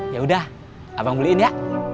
yaudah abang beliin ya